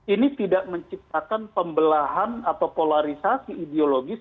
ini tidak menciptakan pembelahan atau polarisasi ideologis